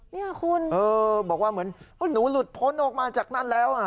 นี่คุณบอกว่าเหมือนหนูหลุดพ้นออกมาจากนั้นแล้ว